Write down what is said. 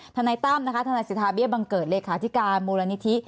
ธนัยตั้มธนัยสิทธาเบียบังเกิดเลขาธิการมูลนิธิ